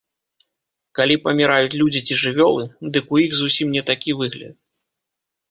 Калі паміраюць людзі ці жывёлы, дык у іх зусім не такі выгляд.